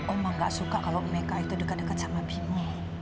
oma gak suka kalau mereka itu dekat dekat sama bimo